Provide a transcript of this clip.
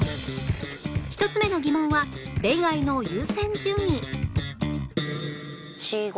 １つ目の疑問は恋愛の優先順位